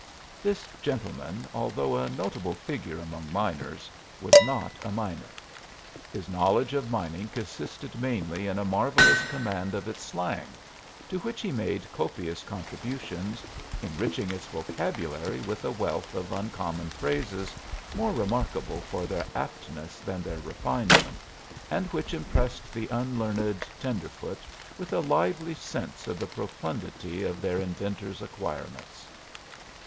This gentleman, although a notable figure among miners, was not a miner. His knowledge of mining consisted mainly in a marvelous command of its slang, to which he made copious contributions, enriching its vocabulary with a wealth of uncommon phrases more remarkable for their aptness than their refinement, and which impressed the unlearned "tenderfoot" with a lively sense of the profundity of their inventor's acquirements.